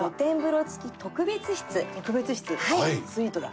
特別室スイートだ。